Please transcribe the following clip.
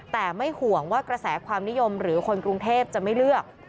แต่ไม่ห่วงว่ากระแสความนิยมหรือคนกรุงเทพจะไม่เลือก